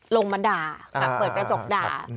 ลงมาด่าเข้าออกเปิดแปลจกด่า